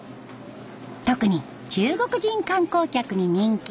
特に中国人観光客に人気。